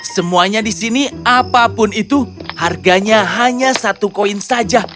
semuanya di sini apapun itu harganya hanya satu koin saja